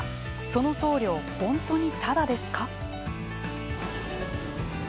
その送料、本当にただですか。